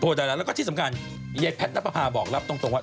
โพลดาราแล้วก็ที่สำคัญไยแพทนักภาพบอกรับตรงว่า